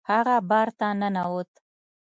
هغه بار ته ننوت.